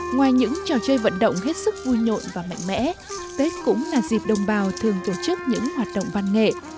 ngoài những trò chơi vận động hết sức vui nhộn và mạnh mẽ tết cũng là dịp đồng bào thường tổ chức những hoạt động văn nghệ